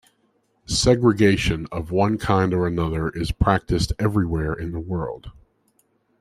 Segregation of one kind or another is practised everywhere in the world.